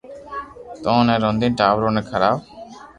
تو اوني رودين ٽاٻرو ني کراو